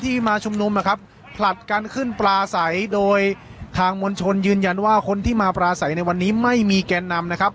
มาชุมนุมนะครับผลัดกันขึ้นปลาใสโดยทางมวลชนยืนยันว่าคนที่มาปลาใสในวันนี้ไม่มีแกนนำนะครับ